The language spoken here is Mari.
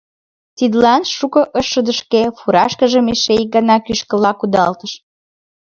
Тидлан тудо ыш шыдешке, фуражкыжым эше ик гана кӱшкыла кудалтыш.